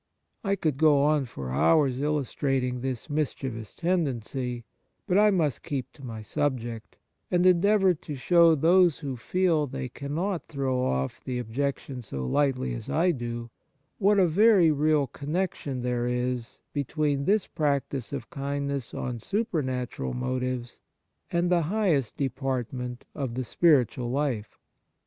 I could go on for hours illustrating this 7 g8 Kindness mischievous tendency ; but I must keep to my subject, and endeavour to show those who feel they cannot throw off the objec tion so lightly as I do, what a very real connection there is between this practice of kindness on supernatural motives, and the highest department of the spiritual life.